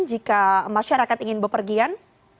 jika masyarakat ingin berpergian